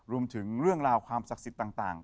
เรื่องราวความศักดิ์สิทธิ์ต่าง